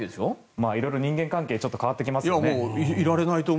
色々人間関係ちょっと変わってきますよね。